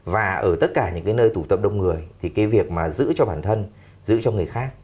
và ở tất cả những cái nơi tủ tâm đông người thì cái việc mà giữ cho bản thân giữ cho người khác